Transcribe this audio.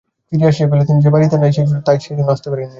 ফিরিয়া আসিয়া কহিল, তিনি যে বাড়িতে নেই, তাই জন্যে আসতে পারেন নি।